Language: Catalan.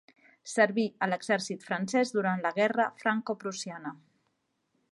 Serví a l'exèrcit francès durant la guerra francoprussiana.